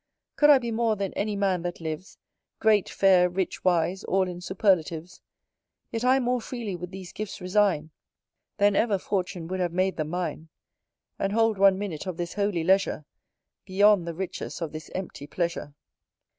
Could I be more than any man that lives, Great, fair, rich wise, all in superlatives; Yet I more freely would these gifts resign Than ever fortune would have made them mine. And hold one minute of this holy leisure Beyond the riches of this empty pleasure.